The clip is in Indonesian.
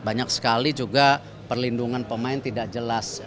banyak sekali juga perlindungan pemain tidak jelas